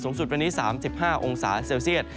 สุดวันนี้๓๕องศาเซลเซียต